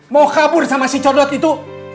mau kabur sama si codot itu